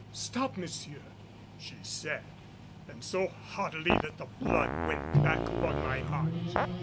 "Stop, monsieur!" she said, and so haughtily that the blood went back upon my heart.